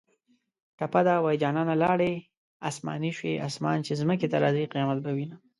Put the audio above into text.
ټپه ده: جانانه لاړې اسماني شوې اسمان چې ځمکې ته راځي قیامت به وینه